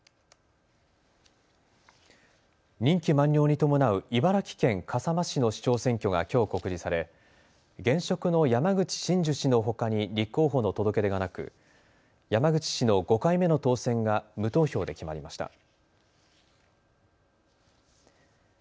任期満了に伴う茨城県笠間市の市長選挙がきょう告示され現職の山口伸樹氏のほかに立候補の届け出がなく山口氏の５回目の当選が無投票で決まりました。